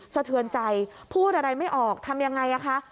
สะเทือนใจพูดอะไรไม่ออกทำยังไงคะ